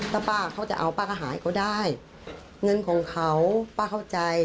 ถ้าป้าเขาจะเอาป้าก็หายเขาได้เงินของเขาป้าเข้าใจ